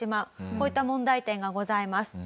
こういった問題点がございます。